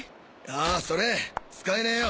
ああそれ使えねぇよ。